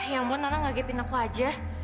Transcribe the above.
yah maun tante ngagetin aku aja